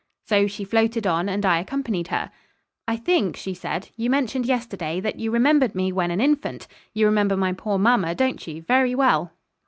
So she floated on and I accompanied her. 'I think,' she said, 'you mentioned yesterday, that you remembered me when an infant. You remember my poor mamma, don't you, very well?'